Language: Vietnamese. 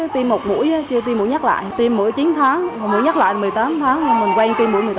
tiêm một mũi chưa tiêm mũi nhắc lại tiêm mũi chín tháng mũi nhắc lại một mươi tám tháng